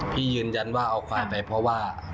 ยืนยันว่าเอาควายไปเพราะว่า